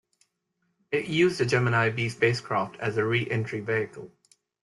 It used a Gemini B spacecraft as a reentry vehicle.